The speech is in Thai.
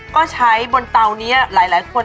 ก็ใช้บนเตานี้หลายคน